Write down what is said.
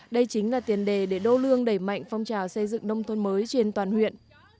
đây chính là tiền đề để đô lương đẩy mạnh phong trào xây dựng nông thôn mới trên toàn huyện